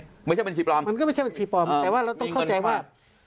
มันก็ไม่ใช่บัญชีปลอมแต่ว่าเราต้องเข้าใจว่า